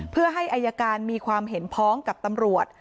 เพื่อให้อายการมีความเห็นพ้องกับตำรวจ